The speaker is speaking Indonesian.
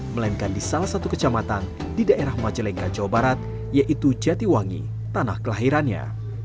melainkan di salah satu kecamatan di daerah majalengka jawa barat yaitu jatiwangi tanah kelahirannya